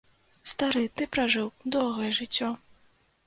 Стары, ты пражыў доўгае жыццё.